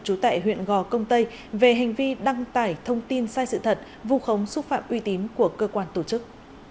trú tại huyện gò công tây về hành vi đăng tải thông tin sai sự thật vụ khống xúc phạm uy tín của cơ quan tổ chức